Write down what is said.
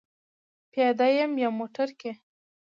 پیاده یم یا موټر کې؟